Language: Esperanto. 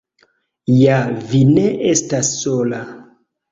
Ja vi ne estas sola.